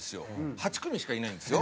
８組しかいないんですよ？